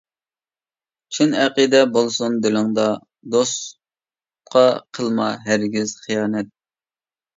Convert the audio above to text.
چىن ئەقىدە بولسۇن دىلىڭدا، دوستقا قىلما ھەرگىز خىيانەت.